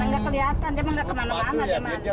nggak kelihatan dia mah nggak kemana mana